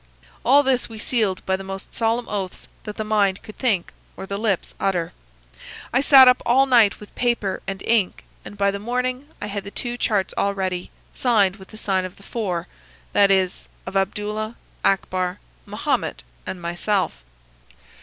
All this we sealed by the most solemn oaths that the mind could think or the lips utter. I sat up all night with paper and ink, and by the morning I had the two charts all ready, signed with the sign of four,—that is, of Abdullah, Akbar, Mahomet, and myself.